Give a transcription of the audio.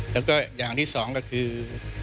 แล้วก็อย่างที่สองก็คือ